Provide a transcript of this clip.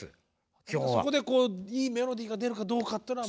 そこでいいメロディーが出るかどうかっていうのは。